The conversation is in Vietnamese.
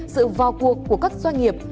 sự vào cuộc của các doanh nghiệp